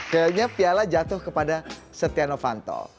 kayaknya piala jatuh kepada setia novanto